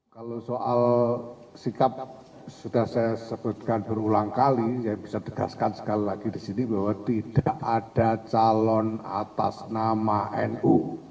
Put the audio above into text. kalau soal sikap sudah saya sebutkan berulang kali saya bisa tegaskan sekali lagi di sini bahwa tidak ada calon atas nama nu